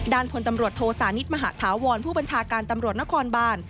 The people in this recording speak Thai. พลตำรวจโทสานิทมหาธาวรผู้บัญชาการตำรวจนครบาน